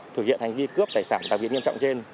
thực hiện hành vi cướp tài sản đặc biệt nghiêm trọng trên